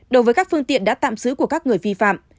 đối với các phương tiện đã tạm giữ của các người vi phạm